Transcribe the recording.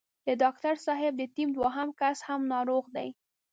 د ډاکټر صاحب د ټيم دوهم کس هم ناروغ دی.